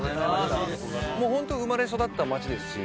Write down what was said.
もうホント生まれ育った街ですし。